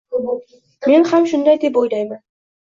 Men ham shunday deb o'ylayman.